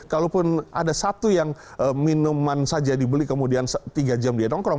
kalaupun ada satu yang minuman saja dibeli kemudian tiga jam dia nongkrong